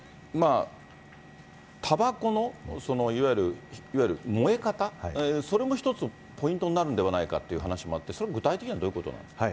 たばこのいわゆる燃え方、それも一つ、ポイントになるんではないかという話もあって、それ、具体的にはどういうことなんですか。